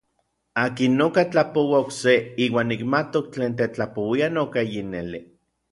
Akin noka tlapoua okse, iuan nikmatok tlen tetlapouia noka yineli.